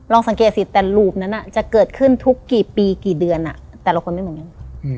สังเกตสิแต่รูปนั้นจะเกิดขึ้นทุกกี่ปีกี่เดือนแต่ละคนไม่เหมือนกัน